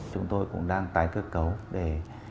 chúng tôi cũng đang tái cơ cấu để